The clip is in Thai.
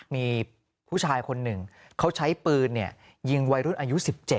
มีผู้ชายคนหนึ่งเขาใช้ปืนยิงวัยรุ่นอายุ๑๗